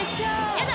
やだ！